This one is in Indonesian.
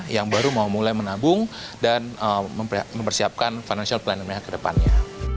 yang baru mau mulai menabung dan mempersiapkan financial planningnya ke depannya